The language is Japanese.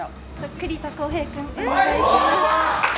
栗田航兵君、お願いします。